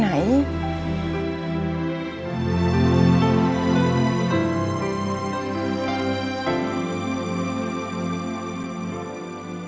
จริง